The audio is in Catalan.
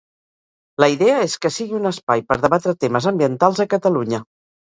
La idea és que sigui un espai per debatre temes ambientals a Catalunya.